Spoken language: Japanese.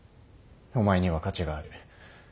「お前には価値がある」